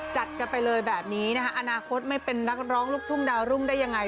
จัดกันไปเลยแบบนี้นะคะอนาคตไม่เป็นนักร้องลูกทุ่งดาวรุ่งได้ยังไง